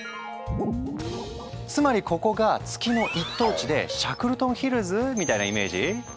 つまりここが月の一等地で「シャックルトン・ヒルズ」みたいなイメージ？